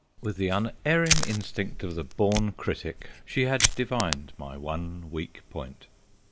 With the unerring instinct of the born critic she had divined my one weak point.